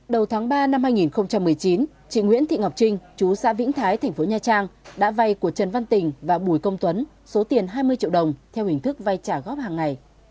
đầu tháng ba năm hai nghìn một mươi chín chị nguyễn thị ngọc trinh chú xã vĩnh thái tp nha trang đã vay của trần văn tình và bùi công tuấn số tiền hai mươi triệu đồng theo hình thức vay trả góp hàng ngày